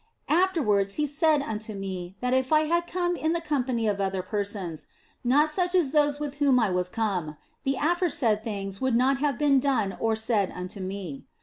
Afterwards He said unto me that if I had come in the company of other persons, not such as those with whom I was come, the aforesaid things would not have been done or said unto me.